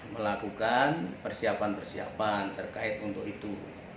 melakukan persiapan persiapan terkait untuk itu